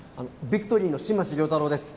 ビクトリーの新町亮太郎です